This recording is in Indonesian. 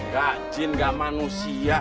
gak jin gak manusia